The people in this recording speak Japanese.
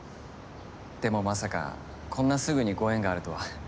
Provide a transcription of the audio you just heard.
でもまさかこんなすぐにご縁があるとは。